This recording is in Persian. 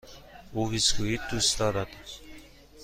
او بیسکوییت دوست دارد.